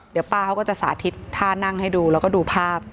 เดี๋ยวป้าเขาก็จะสาธิตท่านั่งให้ดูแล้วก็ดูภาพ